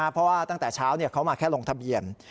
เพราะว่าตั้งแต่เช้าเขามาแค่ลงทะเบียน